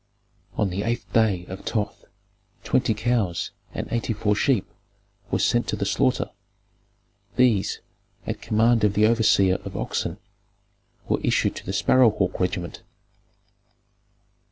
"On the eighth day of Thoth twenty cows and eighty four sheep were sent to the slaughter; these, at command of the overseer of oxen, were issued to the Sparrow Hawk regiment."